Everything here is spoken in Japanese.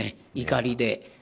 怒りで。